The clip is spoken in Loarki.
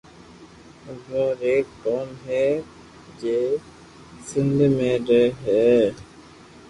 لوھار ايڪ قوم ھي سندھ مي رھي ھي